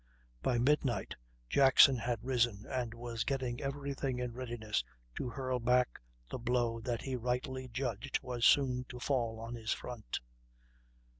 By midnight Jackson had risen and was getting every thing in readiness to hurl back the blow that he rightly judged was soon to fall on his front.